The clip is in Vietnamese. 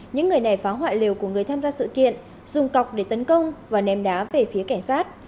những người này phá hoại liều của người tham gia sự kiện dùng cọc để tấn công và ném đá về phía cảnh sát